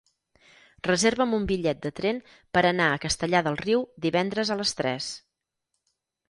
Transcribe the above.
Reserva'm un bitllet de tren per anar a Castellar del Riu divendres a les tres.